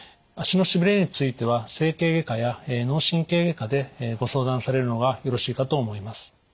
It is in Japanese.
足のしびれについては整形外科や脳神経外科でご相談されるのがよろしいかと思います。